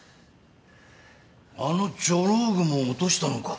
あのジョロウグモを落としたのか？